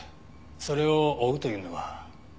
それを追うというのは。